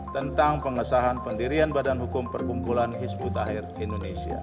tentang pengesahan pendirian badan hukum perkumpulan hizbut tahir indonesia